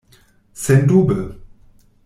Sendube.